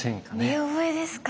見覚えですか？